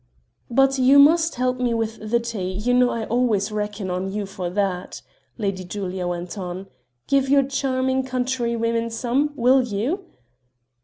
"But you must help me with the tea; you know I always reckon on you for that," Lady Julia went on. "Give your charming countrywomen some, will you?"